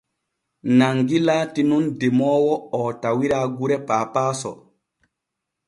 Nangi laati nun demoowo o tawira gure Paapaaso.